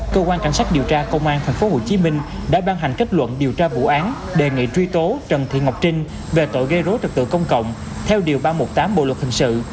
cơ quan cảnh sát điều tra công an tp hcm đã ban hành kết luận điều tra vụ án đề nghị truy tố trần thị ngọc trinh về tội gây rối trật tự công cộng theo điều ba trăm một mươi tám bộ luật hình sự